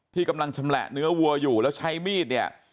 กำลังชำแหละเนื้อวัวอยู่แล้วใช้มีดเนี่ย